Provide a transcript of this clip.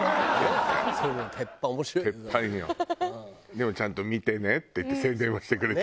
でもちゃんと見てねって言って宣伝はしてくれてるのよ。